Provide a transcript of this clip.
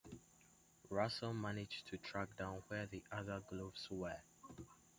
Russell managed to track down where the other gloves were.